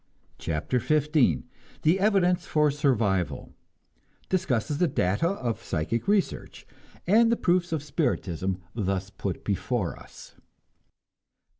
CHAPTER XV THE EVIDENCE FOR SURVIVAL (Discusses the data of psychic research, and the proofs of spiritism thus put before us.)